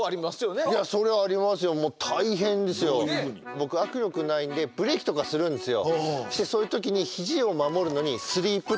僕握力ないんでブレーキとかするんですよ。